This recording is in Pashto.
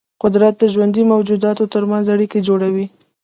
قدرت د ژوندي موجوداتو ترمنځ اړیکې جوړوي.